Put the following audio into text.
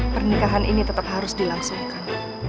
pernikahan ini tetap harus dilangsungkan